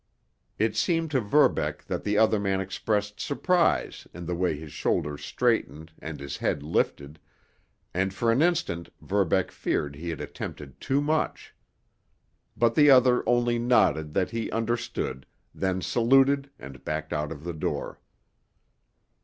It seemed to Verbeck that the other man expressed surprise in the way his shoulders straightened and his head lifted, and for an instant Verbeck feared he had attempted too much. But the other only nodded that he understood, then saluted and backed out of the door.